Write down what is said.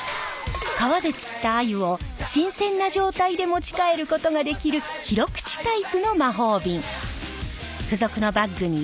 川で釣ったアユを新鮮な状態で持ち帰ることができる広口タイプの魔法瓶。